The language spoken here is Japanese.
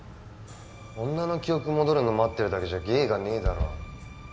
女の記憶戻るの待ってるだけじゃ芸がねえだろ。